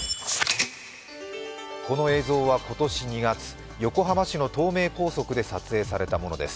この映像は今年２月、横浜市の東名高速で撮影されたものです。